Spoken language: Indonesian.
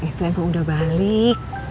abang itu emang udah balik